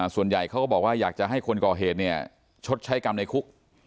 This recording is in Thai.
ส่วนใหญ่เขาก็บอกว่าอยากจะให้คนก่อเหตุเนี่ยชดใช้กรรมในคุก